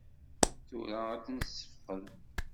Tura ad s-nessefqed.